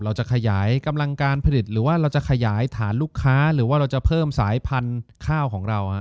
เราจะขยายกำลังการผลิตหรือว่าเราจะขยายฐานลูกค้าหรือว่าเราจะเพิ่มสายพันธุ์ข้าวของเรา